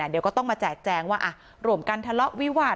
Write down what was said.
เดี๋ยวก็ต้องมาแจกแจงว่าร่วมกันทะเลาะวิวาส